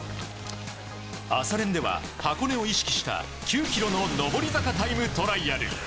朝練では、箱根を意識した９ｋｍの上り坂タイムトライアル。